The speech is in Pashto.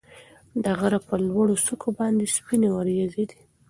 د غره په لوړو څوکو باندې سپینې وريځې دي.